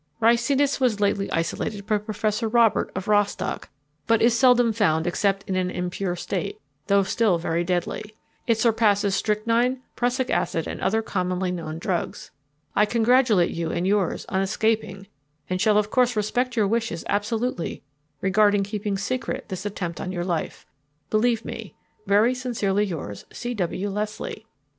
Ricinus was lately isolated by Professor Robert, of Rostock, but is seldom found except in an impure state, though still very deadly. It surpasses strychnine, prussic acid, and other commonly known drugs. I congratulate you and yours on escaping and shall of course respect your wishes absolutely regarding keeping secret this attempt on your life. Believe me, "Very sincerely yours, "C. W. LESLIE."